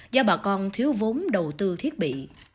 do bà con thiếu vốn đầu tư thiết bị